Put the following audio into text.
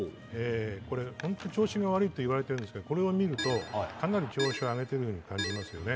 本当は調子が悪いといわれているんですけどこれを見るとかなり調子を上げているように感じますね。